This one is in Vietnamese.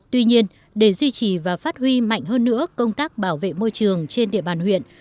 tuy nhiên để duy trì và phát huy mạnh hơn nữa công tác bảo vệ môi trường trên địa bàn huyện